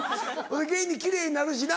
現に奇麗になるしな。